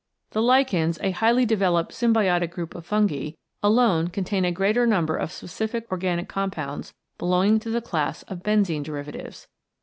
The Lichens, a highly developed symbiotic group of Fungi, alone contain a greater number of specific organic compounds belonging to the class of benzene derivatives.